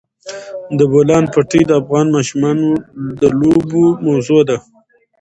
د بولان پټي د افغان ماشومانو د لوبو موضوع ده.